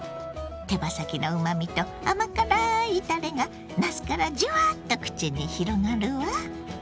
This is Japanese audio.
手羽先のうまみと甘辛いたれがなすからじゅわっと口に広がるわ。